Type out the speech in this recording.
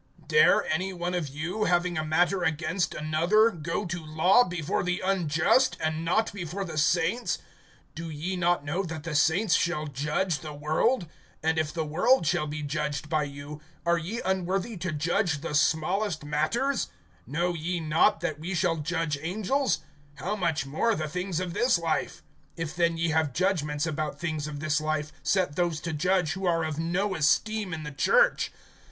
DARE any one of you, having a matter against another, go to law before the unjust, and not before the saints? (2)Do ye not know that the saints shall judge the world? And if the world shall be judged by you, are ye unworthy to judge the smallest matters? (3)Know ye not that we shall judge angels? How much more the things of this life? (4)If then ye have judgments about things of this life, set those to judge who are of no esteem in the church.